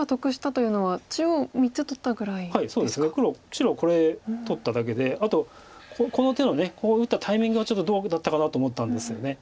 白これ取っただけであとこの手のここ打ったタイミングがちょっとどうだったかなと思ったんですよね。